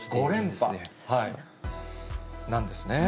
なんですね。